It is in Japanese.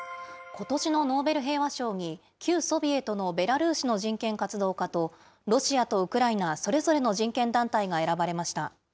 ことしのノーベル平和賞に、旧ソビエトのベラルーシの人権活動家と、ロシアとウクライナ、それぞれの人権団体が選ばれました。